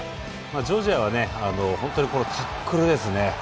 ジョージアは本当にタックルです。